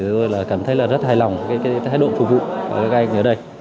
tôi cảm thấy rất hài lòng với thái độ phục vụ của các anh ở đây